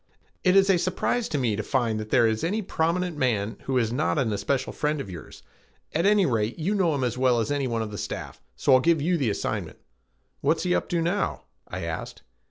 It is a surprise to me to find that there is any prominent man who is not an especial friend of yours. At any rate you know him as well as anyone of the staff, so I'll give you the assignment." "What's he up to now?" I asked.